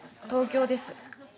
東京です